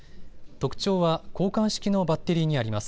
特徴は交換式のバッテリーにあります。